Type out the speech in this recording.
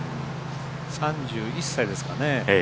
３１歳ですかね